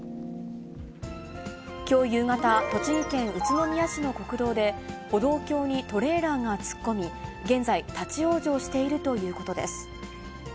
きょう夕方、栃木県宇都宮市の国道で、歩道橋にトレーラーが突っ込み、現在、立往生しているということです。